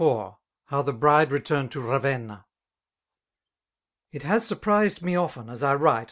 Hew the Bride rehnrned to tiamewm. It ha3 surprised me often, as I write.